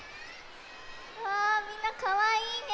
うわみんなかわいいね！